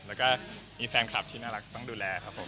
แล้วก็มีแฟนคลับที่น่ารักต้องดูแลครับผม